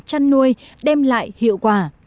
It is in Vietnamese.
chăn nuôi đem lại hiệu quả